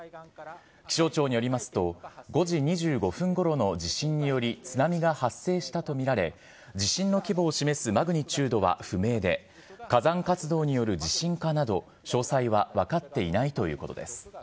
気象庁によりますと、５時２５分ごろの地震により津波が発生したと見られ、地震の規模を示すマグニチュードは不明で、火山活動による地震かなど、詳細は分かっていないということです。